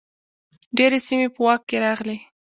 ډیرې سیمې په واک کې راغلې.